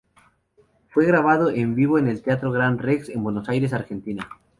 Fue grabado en vivo en el Teatro Gran Rex, en Buenos Aires, Argentina.